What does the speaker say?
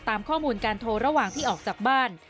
ตามข้อมูลการโทรระหว่างที่ออกจากบ้าน